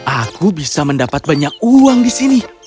aku bisa mendapat banyak uang di sini